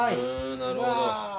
なるほど。